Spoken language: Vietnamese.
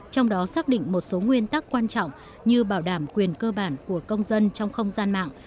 trong đó xác định một số nguyên tắc quan trọng như bảo đảm quyền cơ bản của công dân trong không gian mạng